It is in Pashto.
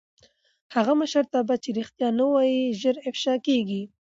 هغه مشرتابه چې رښتیا نه وايي ژر افشا کېږي